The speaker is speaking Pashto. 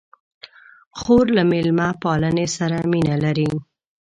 خور له میلمه پالنې سره مینه لري.